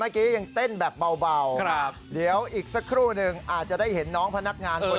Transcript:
อน่าเวลาเต้นแบบเบารับเดี๋ยวอีกสักครู่นึงมาเห็นน้องพนักงาน